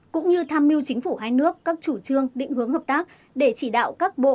cũng như tham mưu chính phủ hai nước các chủ trương định hướng hợp tác để chỉ đạo các bộ